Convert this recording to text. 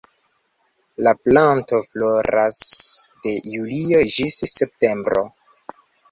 La planto floras de julio ĝis septembro.